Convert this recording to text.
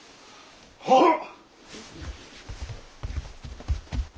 はっ！